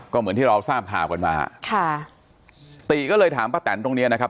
ก็เหมือนที่เราทราบข่าวกันมาค่ะติก็เลยถามป้าแตนตรงเนี้ยนะครับ